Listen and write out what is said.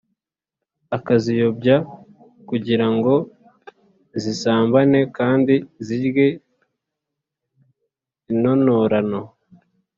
akaziyobya kugira ngo zisambane kandi zirye intonōrano.